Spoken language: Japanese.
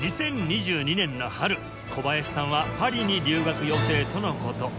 ２０２２年の春小林さんはパリに留学予定との事